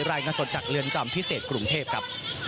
รายงานสดจากเรือนจำพิเศษกรุงเทพครับ